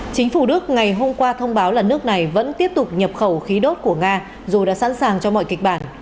chính phủ đức ngày hôm qua thông báo là nước này vẫn tiếp tục nhập khẩu khí đốt của nga dù đã sẵn sàng cho mọi kịch bản